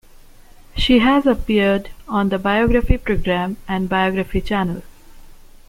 She has appeared on the "Biography" program and Biography Channel.